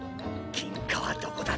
金貨はどこだ？